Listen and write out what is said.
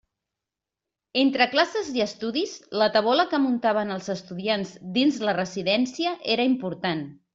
Entre classes i estudis, la tabola que muntàvem els estudiants dins la residència era important.